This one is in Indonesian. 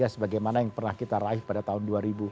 sebagaimana yang pernah kita raih pada tahun dua ribu